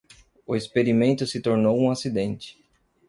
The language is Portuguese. O experimento se tornou um acidente.